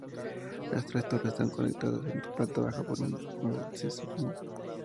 Las tres torres están conectadas en su planta baja por un acceso común.